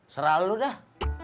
seral lo dah